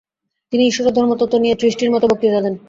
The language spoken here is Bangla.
তিনি ঈশ্বর ও ধর্মতত্ত্ব নিয়ে ত্রিশটির মত বক্তৃতা দেন।